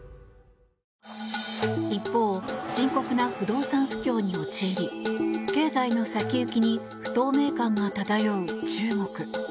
一方、深刻な不動産不況に陥り経済の先行きに不透明感が漂う中国。